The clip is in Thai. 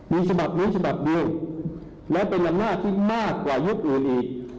มีฉบับนี้ฉบับเดียวและเป็นอำนาจที่มากกว่ายุคอื่นอีก